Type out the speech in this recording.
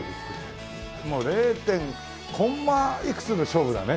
もう０．コンマいくつの勝負だね。